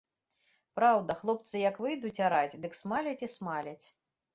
Праўда, хлопцы як выйдуць араць, дык смаляць і смаляць.